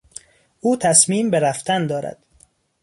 او تصمیم به رفتن دارد.